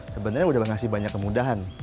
sebenarnya sudah mengasih banyak kemudahan